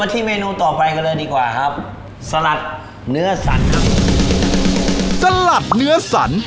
ที่เมนูต่อไปกันเลยดีกว่าครับสลัดเนื้อสันครับสลัดเนื้อสัน